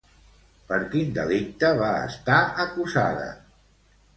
Per quin delicte va estar acusada?